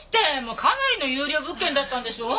かなりの優良物件だったんでしょう？